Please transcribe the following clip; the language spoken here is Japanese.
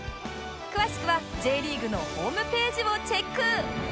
詳しくは Ｊ リーグのホームページをチェック！